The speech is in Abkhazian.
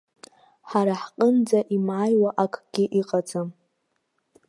Ҳара ҳҟынӡа имааиуа акгьы ыҟаӡам.